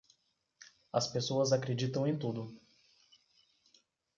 As pessoas acreditam em tudo